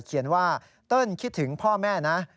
เขียนว่าเติ้ลคิดถึงพ่อแม่นะ